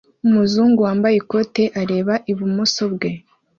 Umuzungu wambaye ikoti areba ibumoso bwe